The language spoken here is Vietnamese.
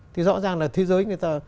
thì rõ ràng là thế giới người ta